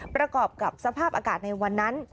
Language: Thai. ประกอบกับสภาพอากาศในวันนั้น